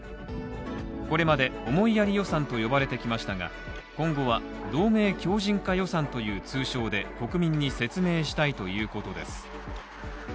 これまで、思いやり予算と呼ばれてきましたが、今後は同盟強靱化予算という通称で国民に説明したいということです。